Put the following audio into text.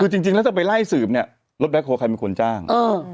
คือจริงแล้วจะไปไล่สืบเนี่ยรถแบ็คโฮลใครเป็นคนจ้าง